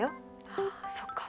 ああそっか